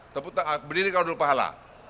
tepuk tangan berdiri kalau dulu pahala